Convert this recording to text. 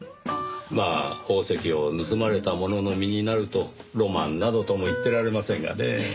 まあ宝石を盗まれた者の身になるとロマンなどとも言ってられませんがねぇ。